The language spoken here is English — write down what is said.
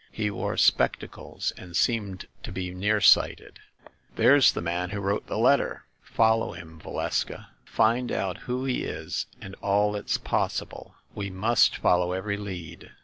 He wore spectacles and seemed to be near sighted. 256 THE MASTER OF MYSTERIES "There's the man who wrote the letter ! Follow him, Valeska! Find out who he is and all that's possible! We must follow every lead."